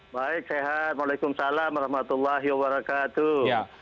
baik sehat waalaikumsalam rahmatullah ya wabarakatuh